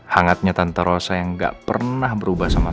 hangatnya tanpa rasa yang gak pernah berubah sama sekali